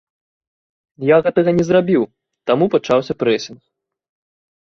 Я гэтага не зрабіў, таму пачаўся прэсінг.